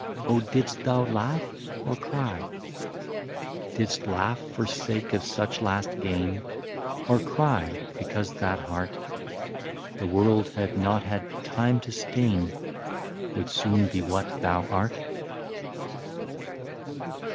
Oh ! didst thou laugh or cry ?" Didst laugh for sake of such last gain, Or cry, because that heart. The world had not had time to stain, Would soon be what thou art